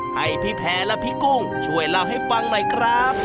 ให้พี่แพ้และพี่กุ้งช่วยเล่าให้ฟังหน่อยครับ